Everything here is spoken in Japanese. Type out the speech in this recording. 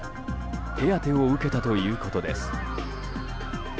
手当てを受けたということです。